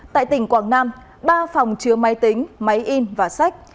tại tỉnh quảng nam ba phòng chứa máy tính máy in và sách